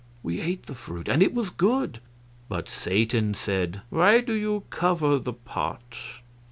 We ate the fruit, and it was good. But Satan said: "Why do you cover the pot?